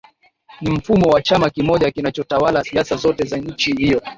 Ni mfumo wa chama kimoja kinachotawala siasa zote za nchi hiyo